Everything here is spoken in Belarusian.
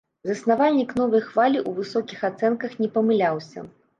Заснавальнік новай хвалі ў высокіх ацэнках не памыляўся.